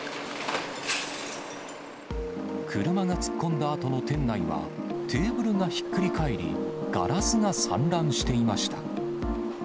車が突っ込んだあとの店内は、テーブルがひっくり返り、ガラスが散乱していました。